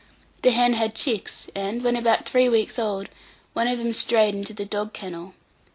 The hen had chicks; and, when about three weeks old, one of them strayed into the dog kennel.